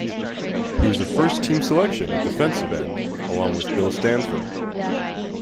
He was a First-team selection at defensive end along with Bill Stanfill.